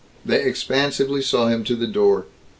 They expansively saw him to the door.